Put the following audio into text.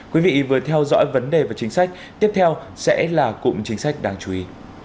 quý vị vừa theo dõi vấn đề và chính sách tiếp theo sẽ là cụm chính sách đáng chú ý